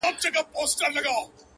اور او اوبه یې د تیارې او د رڼا لوري،